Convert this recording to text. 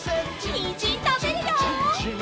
にんじんたべるよ！